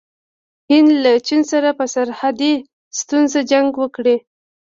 هند له چین سره په سرحدي ستونزه جنګ وکړ.